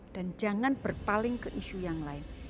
dan jangan berpaling ke issue yang lain